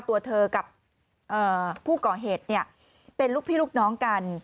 ตัวเธอกับผู้ก่อเหตุเป็นลูกพี่ลูกน้องกัน